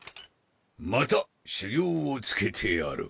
また修行をつけてやる。